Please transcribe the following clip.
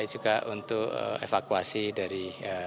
juga untuk evakuasi dari